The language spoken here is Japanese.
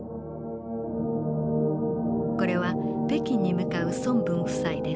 これは北京に向かう孫文夫妻です。